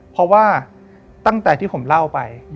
เพราะว่าตั้งแต่ที่ผมเล่าไป